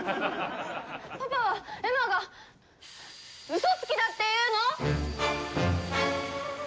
パパはエマがうそつきだっていうの？